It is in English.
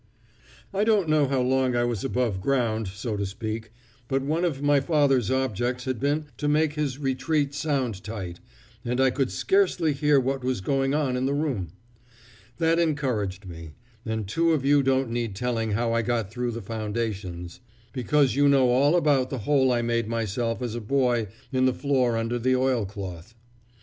"I don't know how long I was above ground, so to speak, but one of my father's objects had been to make his retreat sound tight, and I could scarcely hear what was going on in the room. That encouraged me; and two of you don't need telling how I got out through the foundations, because you know all about the hole I made myself as a boy in the floor under the oilcloth.